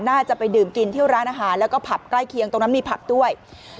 น่าจะไปดื่มกินที่ร้านอาหารแล้วก็ผับใกล้เคียงตรงนั้นมีผับด้วย